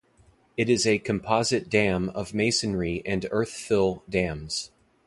It is a composite dam of masonry and earth-fill dams.